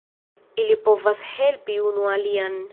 Ili povas helpi unu alian.